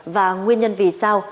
và nguyên nhân vì sao